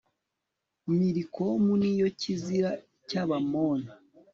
milikomu, ni yo kizira cy'abamoni